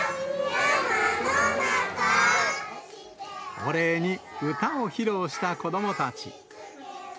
お礼に歌を披露した子どもたち。